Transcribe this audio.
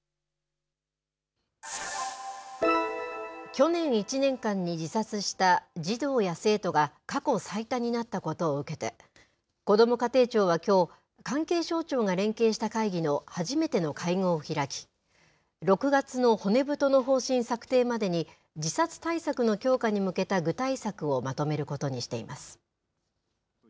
去年１年間に自殺した児童や生徒が過去最多になったことを受けてこども家庭庁はきょう関係省庁が連携した会議の初めての会合を開き６月の骨太の方針策定までに自殺対策の強化に向けた具体策をまとめることにしています。